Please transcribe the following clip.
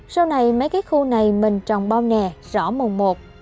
sau này mấy cái khu này mình trồng bao nè rõ mồm một